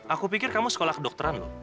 aku pikir kamu sekolah kedokteran loh